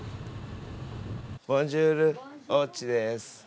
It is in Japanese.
ボンジュール大地です。